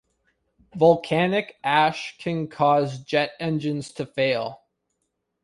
Volcanic ash can cause jet engines to fail.